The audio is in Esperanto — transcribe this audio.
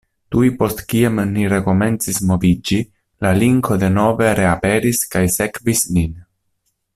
Tuj post kiam ni rekomencis moviĝi, la linko denove reaperis kaj sekvis nin.